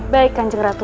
baik kanjeng ratu